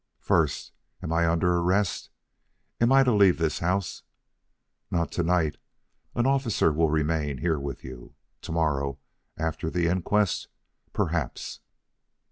"First, am I under arrest? Am I to leave this house ?" "Not to night. An officer will remain here with you. To morrow after the inquest, perhaps."